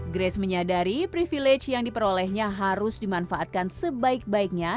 grace menyadari privilege yang diperolehnya harus dimanfaatkan sebaik baiknya